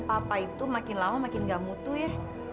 papa itu makin lama makin gak mutu ya